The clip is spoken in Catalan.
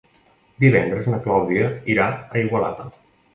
Divendres na Clàudia irà a Igualada.